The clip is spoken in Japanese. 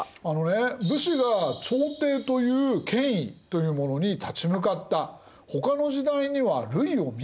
武士が朝廷という権威というものに立ち向かったほかの時代には類をみない戦いだったんです。